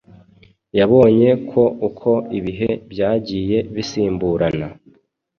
yabonye ko uko ibihe byagiye bisimburana